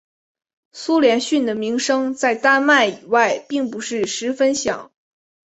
苏连逊的名声在丹麦以外并不是十分响。